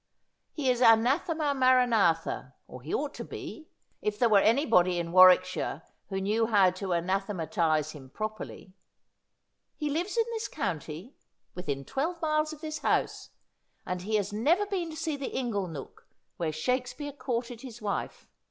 He is anathema maranatha, or he ought to be, if there were anybody in Warwickshire who knew how to anathematise him properly. He lives in this county — within twelve miles of this house — and he has never been to see the ingle nook where Shakespeare courted his wife.